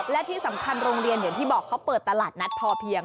และที่สำคัญโรงเรียนอย่างที่บอกเขาเปิดตลาดนัดพอเพียง